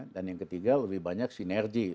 dan yang ketiga lebih banyak sinergi